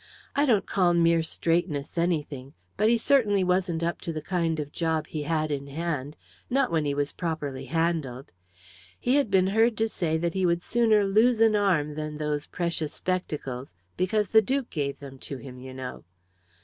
I don't call mere straightness anything; but he certainly wasn't up to the kind of job he had in hand not when he was properly handled. He has been heard to say that he would sooner lose an arm than those precious spectacles because the duke gave them to him, you know.